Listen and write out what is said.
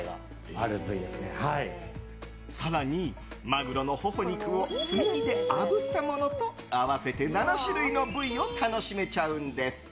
更に、マグロの頬肉を炭火であぶったものと合わせて７種類の部位を楽しめちゃうんです。